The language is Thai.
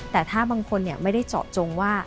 แต่ถ้าบางคนไม่ได้เจาะจงว่า